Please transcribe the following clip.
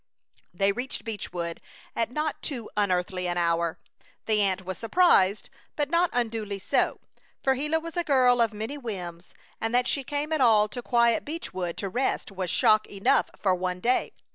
They reached Beechwood at not too unearthly an hour. The aunt was surprised, but not unduly so, for Gila was a girl of many whims, and that she came at all to quiet Beechwood to rest was shock enough for one day.